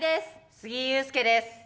杉井勇介です。